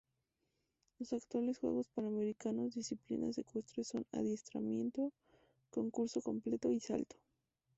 Los actuales Juegos Panamericanos disciplinas ecuestres son Adiestramiento, Concurso Completo y Salto.